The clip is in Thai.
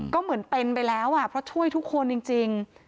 ก็เหมือนเป็นไปแล้วเพราะช่วยทุกคนจริง